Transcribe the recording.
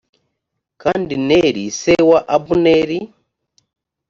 kandi neri se wa abuneri